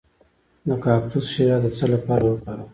د کاکتوس شیره د څه لپاره وکاروم؟